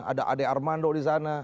ada ade armando di sana